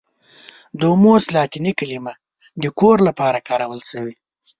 دوموس لاتیني کلمه د کور لپاره کارول شوې.